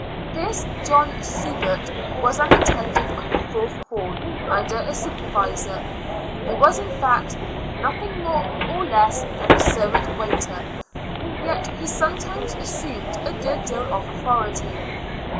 This John Subert was an attendant on the fourth hall, under a supervisor; he was, in. fact, nothing more nor less than, a servant waiter; yet he sometimes assumed a good deal of authority.